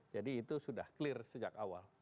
jadi itu sudah clear sejak awal